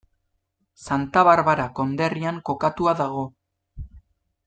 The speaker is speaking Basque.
Santa Barbara konderrian kokatua dago.